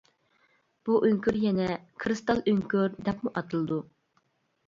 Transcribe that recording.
بۇ ئۆڭكۈر يەنە ‹ ‹كىرىستال ئۆڭكۈر› › دەپمۇ ئاتىلىدۇ.